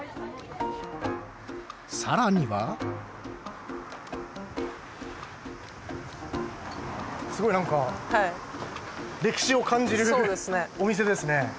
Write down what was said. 更にはすごいなんか歴史を感じるお店ですね。